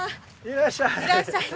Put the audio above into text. いらっしゃい。